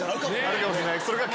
あるかもしれない。